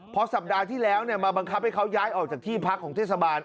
พอสัปดาห์ที่แล้วมาบังคับให้เขาย้ายออกจากที่พักของเทศบาล